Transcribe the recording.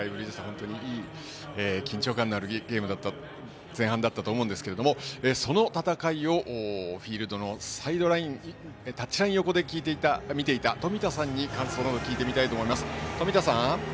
本当にいい緊張感のある前半だったと思うんですがその戦いをフィールドのタッチライン横で見ていた冨田さんに感想など聞いてみたいと思います。